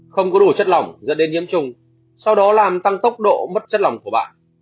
không có đủ chất lỏng dẫn đến nhiễm trùng sau đó làm tăng tốc độ mất chất lòng của bạn